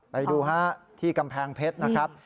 ไปดูฮะที่กำแพงเพชรนะครับ